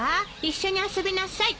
一緒に遊びなさい。